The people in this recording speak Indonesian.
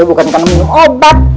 bukan karena minum obat